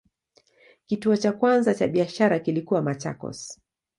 Kituo cha kwanza cha biashara kilikuwa Machakos.